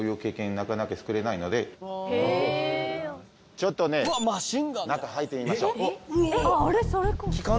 ちょっとね中入ってみましょう。